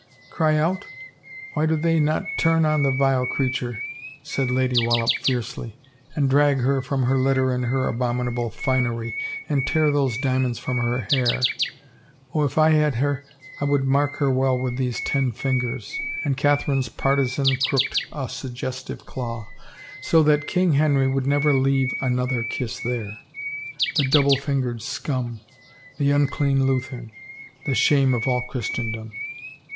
"Cry out? Why do they not turn on the vile creature," said Lady Wallop fiercely, " and drag her from her litter in her abominable finery and tear those diamonds from her hair? Oh, if I had her I would mark her well with these ten fingers "— and Catherine's partisan crooked a suggestive claw —" so that King Henry would never leave another kiss there! The double fingered scimi! The unclean Lutheran! The shame of all Christendom